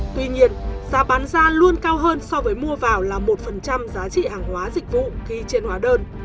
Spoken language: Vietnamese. tuy nhiên giá bán ra luôn cao hơn so với mua vào là một giá trị hàng hóa dịch vụ ghi trên hóa đơn